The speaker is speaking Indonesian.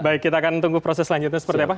baik kita akan tunggu proses selanjutnya seperti apa